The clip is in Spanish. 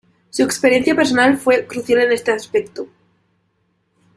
Su experiencia personal fue crucial en este aspecto.